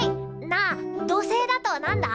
なあ土星だと何だ？